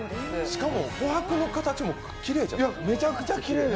しかも琥珀の形もきれいじゃない。